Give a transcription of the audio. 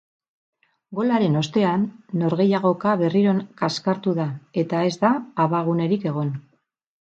Golaren ostean, norgehiagoka berriro kaskartu da, eta ez da abagunerik egon.